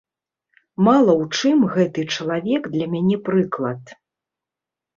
Мала ў чым гэты чалавек для мяне прыклад.